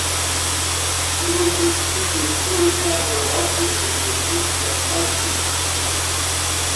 Il effectue des tournées en Europe et se fixe à Strasbourg.